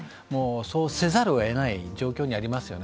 そうせざるをえない状況にありますよね。